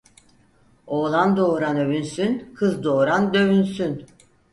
Oğlan doğuran övünsün, kız doğuran dövünsün.